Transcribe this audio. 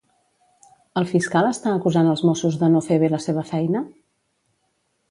El fiscal està acusant als Mossos de no fer bé la seva feina?